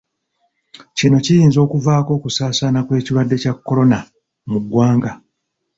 Kino kiyinza okuvaako okusaasaana kw'ekirwadde kya Kolona mu ggwanga.